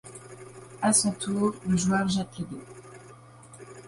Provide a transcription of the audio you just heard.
À son tour, le joueur jette le dé.